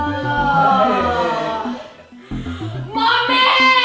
tolong kok kena kena kaya begitu